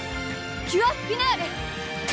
キュアフィナーレ！